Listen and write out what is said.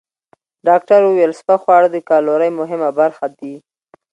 ډاکټره وویل، سپک خواړه د کالورۍ مهمه برخه دي.